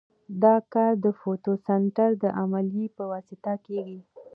دا کار د فوتو سنتیز د عملیې په واسطه کیږي.